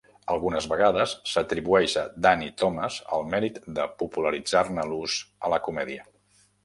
Algunes vegades s'atribueix a Danny Thomas el mèrit de popularitzar-ne l'ús a la comèdia.